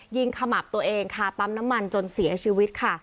ขมับตัวเองคาปั๊มน้ำมันจนเสียชีวิตค่ะ